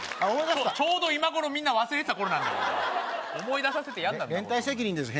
ちょうど今頃みんな忘れてた頃なんだよ思い出させてやるな連帯責任です